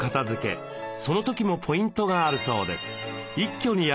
その時もポイントがあるそうです。